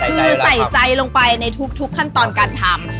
คือใส่ใจลงไปในทุกขั้นตอนการทำ